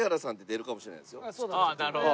あっなるほど。